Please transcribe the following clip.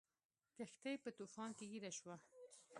کښتۍ په طوفان کې ګیره شوه.